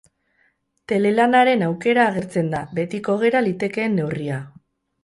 Telelanaren aukera agertzen da, betiko gera litekeen neurria.